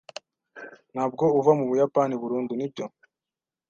Ntabwo uva mubuyapani burundu, nibyo?